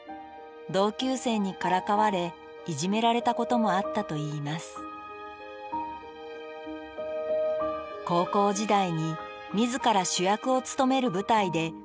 同級生にからかわれいじめられたこともあったと言います高校時代に自ら主役を務める舞台で振り付けを担当。